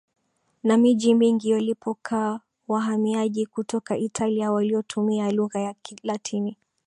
na miji mingi walipokaa wahamiaji kutoka Italia waliotumia lugha ya Kilatini